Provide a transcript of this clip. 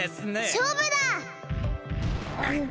しょうぶだ！